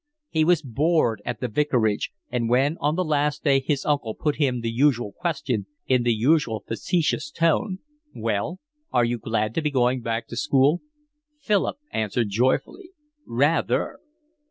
He was bored at the vicarage, and when on the last day his uncle put him the usual question in the usual facetious tone: "Well, are you glad to be going back to school?" Philip answered joyfully. "Rather."